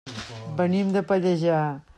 Venim de Pallejà.